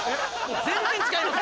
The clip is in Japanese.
全然違います！